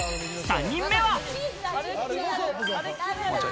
３人目は。